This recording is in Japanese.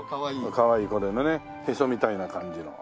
かわいいこれのねへそみたいな感じの。